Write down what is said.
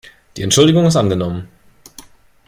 Die Entschuldigung ist angenommen.